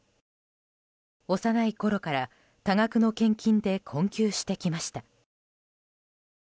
幼いころから多額の献金で困窮してきました。